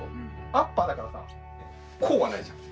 アッパーだからさこうはないじゃん。